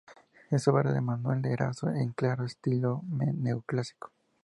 Es obra de Manuel de Eraso en claro estilo neoclásico.